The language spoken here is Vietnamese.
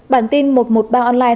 bản tin một trăm một mươi ba online